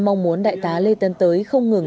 mong muốn đại tá lê tấn tới không ngừng